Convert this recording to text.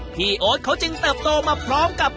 โอ๊ตเขาจึงเติบโตมาพร้อมกับ